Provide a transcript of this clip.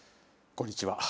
こんにちは。